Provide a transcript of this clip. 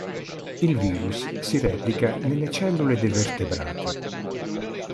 Il virus si replica nelle cellule dei vertebrati.